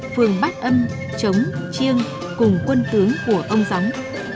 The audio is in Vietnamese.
phường bát âm chống chiêng cùng quân tướng của ông gióng